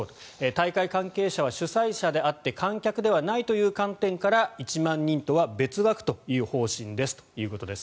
大会関係者は主催者であって観客ではないという観点から１万人とは別枠という方針ですということです。